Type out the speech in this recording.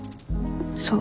そう。